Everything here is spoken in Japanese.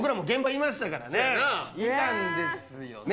見たんですよね。